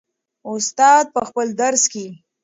استاد په خپل درس کې.